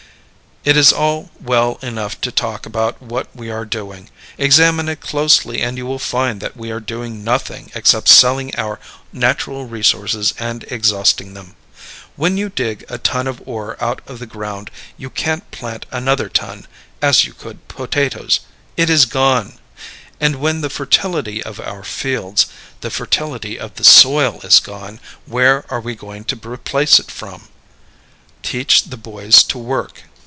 It is all well enough to talk about what we are doing. Examine it closely and you will find that we are doing nothing except selling our natural resources and exhausting them. When you dig a ton of ore out of the ground you can't plant another ton, as you could potatoes; it is gone. And when the fertility of our fields, the fertility of the soil is gone, where are we going to replace it from? Teach the Boys to Work.